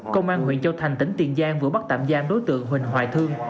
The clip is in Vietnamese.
công an huyện châu thành tỉnh tiền giang vừa bắt tạm giam đối tượng huỳnh hoài thương